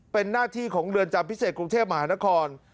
เป็นหน้าที่ของเรือนจำพิเศษกรุงเทพมหานคร